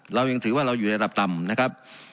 เรายังถือว่าเราอยู่ในอัพเนรัฐตำ